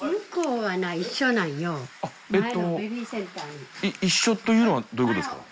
一緒というのはどういうことですか？